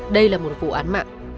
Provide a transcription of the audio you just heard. đây là một vụ án mạng